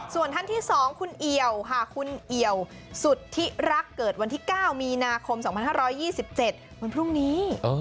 ส่วนท่านที่๒คุณเอี่ยวค่ะคุณเอี่ยวสุธิรักเกิดวันที่๙มีนาคม๒๕๒๗วันพรุ่งนี้